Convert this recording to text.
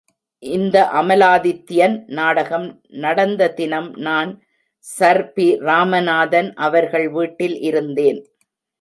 இந்த அமலாதித்யன் நாடகம் நடந்த தினம் நான் சர்.பி.ராமநாதன் அவர்கள் வீட்டில் இருந்தேன்.